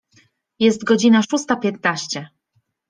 Jest godzina szósta piętnaście.